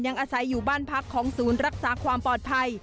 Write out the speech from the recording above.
อาศัยอยู่บ้านพักของศูนย์รักษาความปลอดภัย